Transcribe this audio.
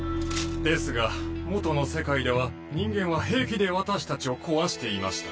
ですが元の世界では人間は平気で私たちを壊していました。